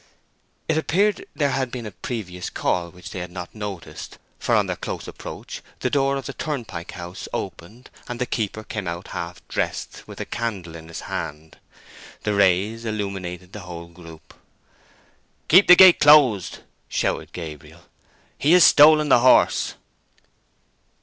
It appeared that there had been a previous call which they had not noticed, for on their close approach the door of the turnpike house opened, and the keeper came out half dressed, with a candle in his hand. The rays illumined the whole group. "Keep the gate close!" shouted Gabriel. "He has stolen the horse!"